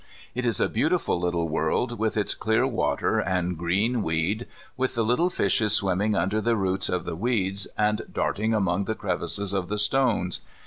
It is a beautiful little world, with its clear water, and green weed, with the little fishes swimming under the roots of the weeds, and darting among the crevices of the stones.